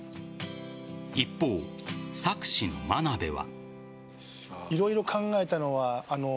一方、策士の眞鍋は。